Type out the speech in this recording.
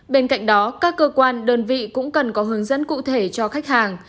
bên cạnh đó các cơ quan đơn vị cũng cần có hướng dẫn cụ thể cho khách hàng